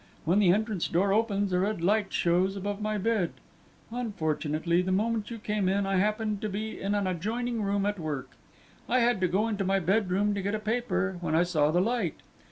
When the entrance door opens, a red light shows above my bed. Unfortunately, the moment you came in I happened to be in an adjoining room at work. I had to go into my bedroom to get a paper, when I saw the light.